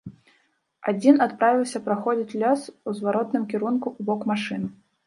Адзін адправіўся праходзіць лес у зваротным кірунку ў бок машын.